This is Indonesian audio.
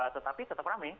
tetapi tetap rame